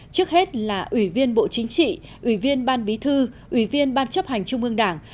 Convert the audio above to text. trước hết là ủy viên bộ chính trị ủy viên ban bí thư ủy viên ban chấp hành trung ương đảng